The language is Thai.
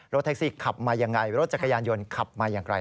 แท็กซี่ขับมายังไงรถจักรยานยนต์ขับมาอย่างไร